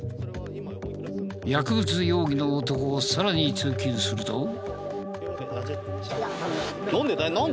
薬物容疑の男をさらに追及すると。